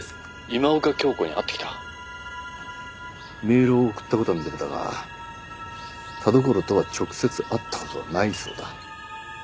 「今岡鏡子に会ってきた」メールを送った事は認めたが田所とは直接会った事はないそうだ。